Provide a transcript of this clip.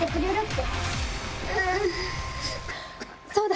そうだ！